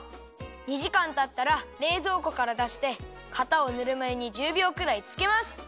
２じかんたったられいぞうこからだしてかたをぬるまゆに１０びょうくらいつけます。